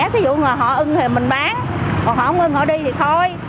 thí dụ họ ưng thì mình bán họ không ưng thì họ đi thì thôi